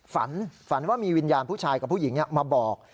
ฝันฝันว่ามีวิญญาณผู้ชายกับผู้หญิงมาบอก